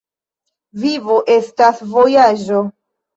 Vivo estas vojaĝo.